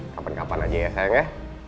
kapan kapan aja ya sayang ya